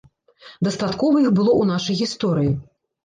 Дастаткова іх было ў нашай гісторыі.